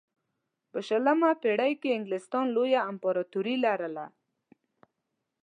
په شلمه پېړۍ کې انګلستان لویه امپراتوري لرله.